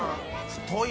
太い！